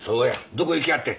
どこ行きはった？